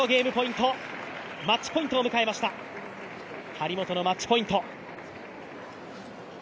張本のマッチポイント。